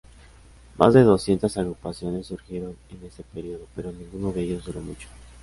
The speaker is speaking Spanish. Más de doscientas agrupaciones surgieron en ese periodo, pero ninguno de ellos duró mucho.